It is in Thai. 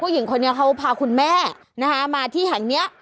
หญิงคนนี้เขาพาคุณแม่มาที่แห่งนี้